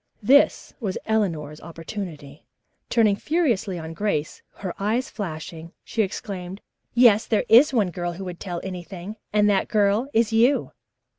This was Eleanor's opportunity. Turning furiously on Grace, her eyes flashing, she exclaimed: "Yes, there is one girl who would tell anything, and that girl is you!